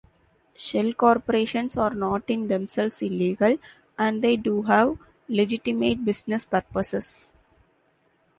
Shell corporations are not in themselves illegal, and they do have legitimate business purposes.